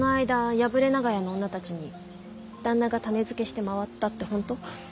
破れ長屋の女たちに旦那が種付けして回ったって本当？